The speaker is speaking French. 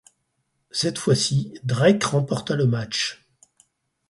Cette fois ci Drake remporta le match.